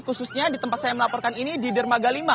khususnya di tempat saya melaporkan ini di dermaga lima